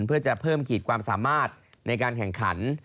เพื่อจะเพิ่มขีดความสามารถในการแข่งขัน